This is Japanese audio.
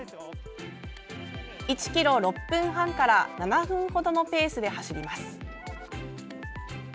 １ｋｍ、６分半から７分ほどのペースで走ります。